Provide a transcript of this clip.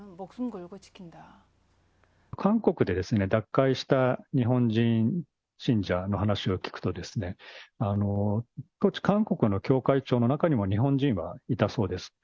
韓国で脱会した日本人信者の話を聞くと、当時、韓国の教会長の中にも日本人はいたそうです。